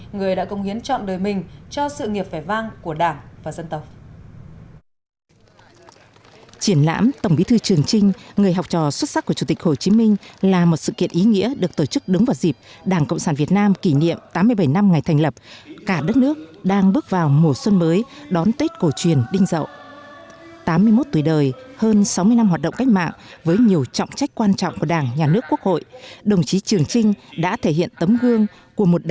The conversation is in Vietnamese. người đã công hiến chọn đời mình cho sự nghiệp vẻ vang của đảng và dân tộc